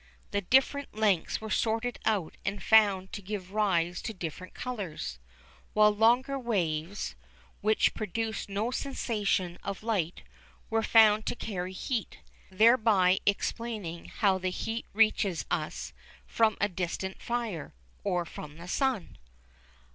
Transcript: The different lengths were sorted out and found to give rise to different colours, while longer waves, which produced no sensation of light, were found to carry heat, thereby explaining how the heat reaches us from a distant fire, or from the sun.